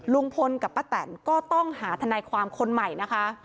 ลุงพลกับป้าแตนก็ต้องหาทนายความคนใหม่นะคะ